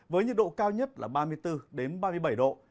với nhiệt độ cao nhất là ba mươi bốn ba mươi bảy độ